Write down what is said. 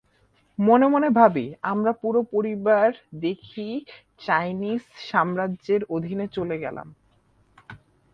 মনে মনে ভাবি, আমরা পুরো পরিবার দেখি চায়নিজ সাম্রাজ্যের অধীনে চলে গেলাম।